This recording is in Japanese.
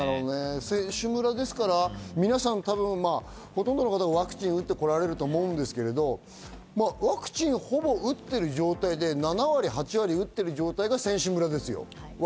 選手村ですから、ほとんどの方がワクチンを打ってこられると思うんですけど、ワクチンを打ってる状態で７割、８割打ってる状態の選手村です。